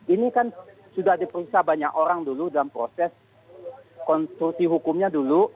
ini kan sudah diperiksa banyak orang dulu dalam proses konstruksi hukumnya dulu